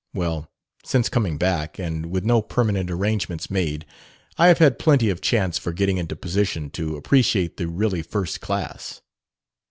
Well, since coming back, and with no permanent arrangements made, I have had plenty of chance for getting into position to appreciate the really first class.